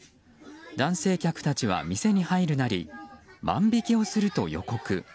男性客たちは店に入るなり万引きをすると予告。